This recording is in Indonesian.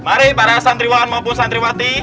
mari para santriwan maupun santriwati